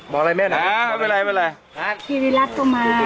บอกอะไรแม่หน่อยมีอะไร